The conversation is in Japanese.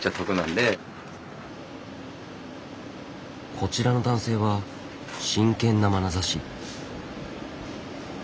こちらの男性は真剣なまなざし。